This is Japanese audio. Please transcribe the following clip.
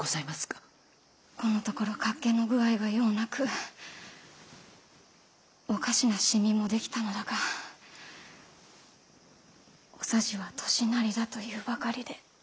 このところ脚気の具合がようなくおかしなシミもできたのだがお匙は「年なり」だと言うばかりで。